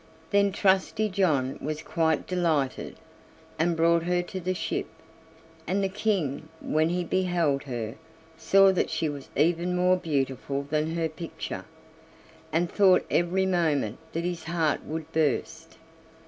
Then Trusty John was quite delighted, and brought her to the ship; and the King, when he beheld her, saw that she was even more beautiful than her picture, and thought every moment that his heart would burst.